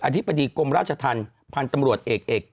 ธิบดีกรมราชธรรมพันธุ์ตำรวจเอก